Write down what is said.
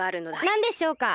なんでしょうか？